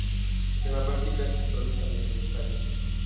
En la práctica, esto se realiza mediante ensayos.